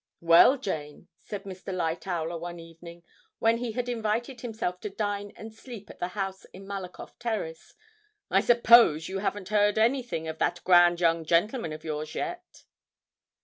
'Well, Jane,' said Mr. Lightowler one evening, when he had invited himself to dine and sleep at the house in Malakoff Terrace, 'I suppose you haven't heard anything of that grand young gentleman of yours yet?'